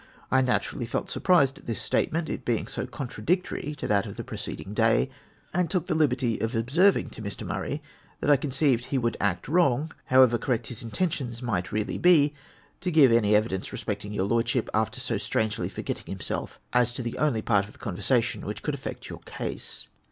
I naturally felt surprised at this statement, it being so contradictory to that of the pre ceding day, and took the liberty of observing to Mr. Murray, that I conceived he would act wi'ong, however correct his in tentions might really be, to give any evidence respecting your Lordship, after so strangely forgetting himself as to the only part of the conversation which could affect your case.